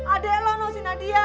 adek lo noh si nadia